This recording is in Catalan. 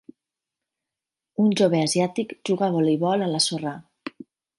Un jove asiàtic juga a voleibol a la sorra.